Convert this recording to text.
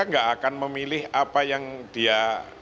nggak akan memilih apa yang dia